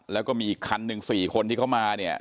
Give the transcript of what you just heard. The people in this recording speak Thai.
แล้วก็มีอีกคันหนึ่ง๔คนที่เขามาเนี่ย